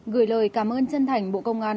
gửi lời cảm ơn chân thành bộ công an